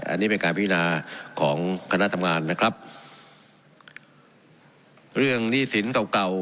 อันนี้เป็นการพินาของคณะทำงานนะครับเรื่องหนี้สินเก่าเก่า